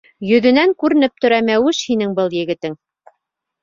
Йөҙөнән күренеп тора, мәүеш һинең был егетең!